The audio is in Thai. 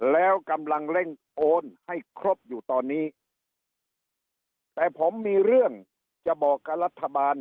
แล้วกำลังเร่งโอนให้ครบอยู่ตอนนี้แต่ผมมีเรื่องจะบอกกับรัฐบาล